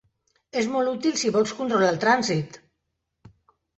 És molt útil si vols controlar el trànsit.